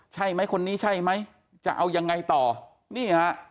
ใช่ไหมคนนี้ใช่ไหมจะเอายังไงต่อนี่ฮะ